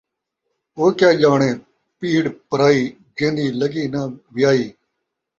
او کیا ڄاݨے پیڑ پرائی، جیندی لڳی ناں ویائی